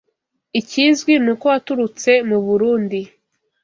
ikizwi ni uko waturutse mu Burundi